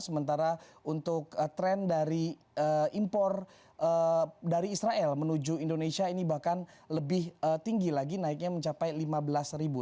sementara untuk tren dari impor dari israel menuju indonesia ini bahkan lebih tinggi lagi naiknya mencapai lima belas ribu